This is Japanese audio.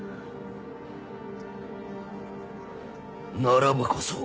ならばこそ。